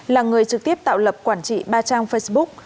là người trực tiếp tạo lập quản trị ba trang facebook